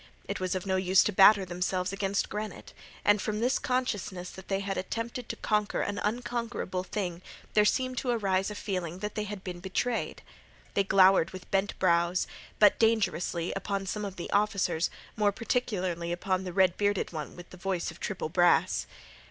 It was of no use to batter themselves against granite. And from this consciousness that they had attempted to conquer an unconquerable thing there seemed to arise a feeling that they had been betrayed. They glowered with bent brows, but dangerously, upon some of the officers, more particularly upon the red bearded one with the voice of triple brass.